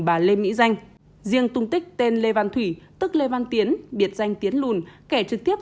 bà lê mỹ danh riêng tung tích tên lê văn thủy tức lê văn tiến biệt danh tiến lùn kẻ trực tiếp